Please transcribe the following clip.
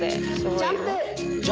ジャンプ？